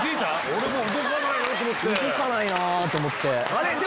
俺も動かないなと思って。